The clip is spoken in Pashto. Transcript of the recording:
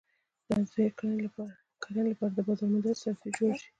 د عضوي کرنې لپاره د بازار موندنې ستراتیژي جوړه شي.